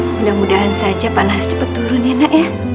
mudah mudahan saja panas cepat turun ya nak ya